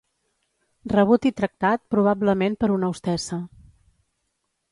Rebut i tractat, probablement per una hostessa.